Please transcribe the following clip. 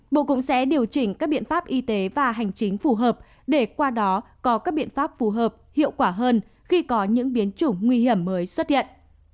bộ cũng sẽ điều chỉnh các biện pháp y tế và hành chính phù hợp để qua đó có các biện pháp phù hợp hiệu quả hơn khi có những biến chủng nguy hiểm mới xuất hiện